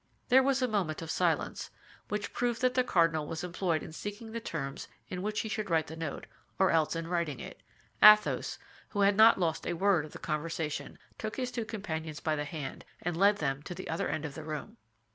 There was a moment of silence, which proved that the cardinal was employed in seeking the terms in which he should write the note, or else in writing it. Athos, who had not lost a word of the conversation, took his two companions by the hand, and led them to the other end of the room.